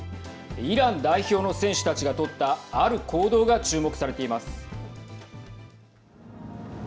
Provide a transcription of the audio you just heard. イラン代表の選手たちが取ったある行動が注目されています。